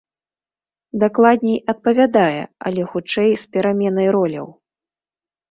Дакладней, адпавядае, але, хутчэй, з пераменай роляў.